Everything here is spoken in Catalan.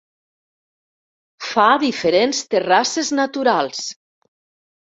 Fa diferents terrasses naturals.